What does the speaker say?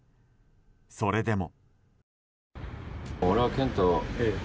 それでも。